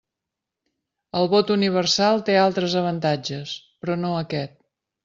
El vot universal té altres avantatges, però no aquest.